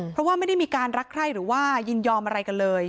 เพราะว่าไม่ได้มีการรักใคร่หรือว่ายินยอมอะไรกันเลย